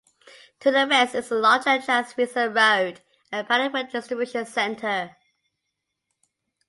To the west is the larger "Transfesa Road" and "Paddock Wood Distribution Centre".